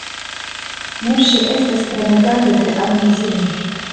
Nur ŝi estas premegata de amnezio.